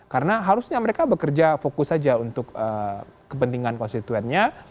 karena harusnya mereka bekerja fokus saja untuk kepentingan konstituennya